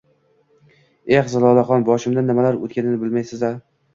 Eh, Zilolaxon, boshimdan nimalar o`tganini bilmaysiz-da